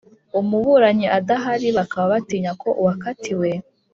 umuburanyi adahari bakaba batinya ko uwakatiwe